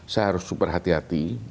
saya harus super hati hati